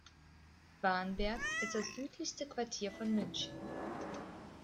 Warnberg ist das südlichste Quartier von München.